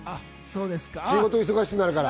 仕事忙しくなるから。